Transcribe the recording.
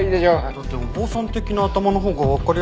だってお坊さん的な頭のほうがわかりやすいと思って。